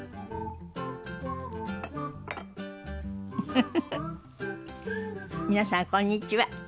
フフフフ皆さんこんにちは。